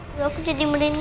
kita aku jadi merening nih